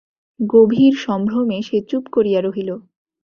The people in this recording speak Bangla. গভীর সম্ভ্রমে সে চুপ করিয়া রহিল।